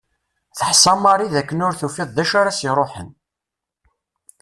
Teḥsa Mary d akken ur tufiḍ d acu ara s-iruḥen.